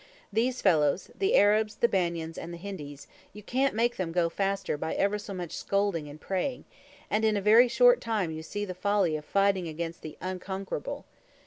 These fellows the Arabs, the Banyans, and the Hindis you can't make them go faster by ever so much scolding and praying, and in a very short time you see the folly of fighting against the unconquerable.